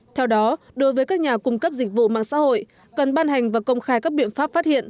theo đó đối với các nhà cung cấp dịch vụ mạng xã hội cần ban hành và công khai các biện pháp phát hiện